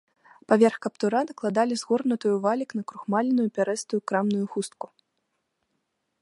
Паверх каптура накладалі згорнутую ў валік накрухмаленую пярэстую крамную хустку.